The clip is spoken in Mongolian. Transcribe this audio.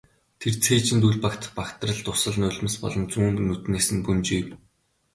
Тэр цээжинд үл багтах багтрал дусал нулимс болон зүүн нүднээс нь бөнжийв.